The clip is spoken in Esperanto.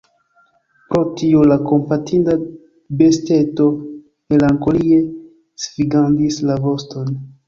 Pro tio la kompatinda besteto melankolie svingadis la voston.